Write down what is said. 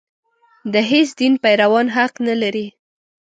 د هېڅ دین پیروان حق نه لري.